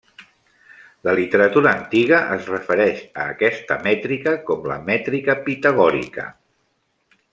La literatura antiga es refereix a aquesta mètrica com la mètrica pitagòrica.